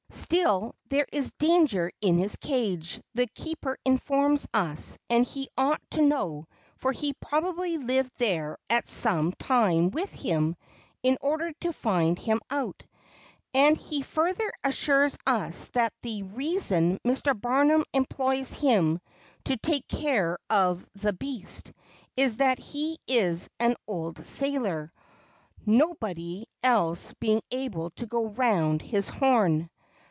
Still there is danger in his cage, the keeper informs us, and he ought to know, for he probably lived there at some time with him in order to find him out. And he further assures us that the reason Mr. Barnum employs him to take care of the beast is that he is an old sailor, nobody else being able to go round his horn.